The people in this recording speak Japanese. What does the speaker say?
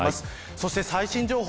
そして最新情報。